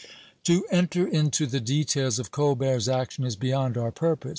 To enter into the details of Colbert's action is beyond our purpose.